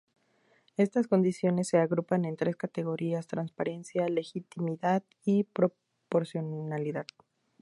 Estas condiciones se agrupan en tres categorías: transparencia, legitimidad y proporcionalidad.